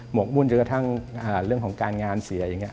กมุ่นจนกระทั่งเรื่องของการงานเสียอย่างนี้